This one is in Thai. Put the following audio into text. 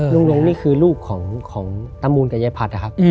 ลุงลงนี่คือรูปของตะมูลกับไยพัทย์นะครับ